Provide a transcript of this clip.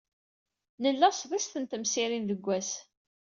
Nla sḍiset n temsirin deg wass.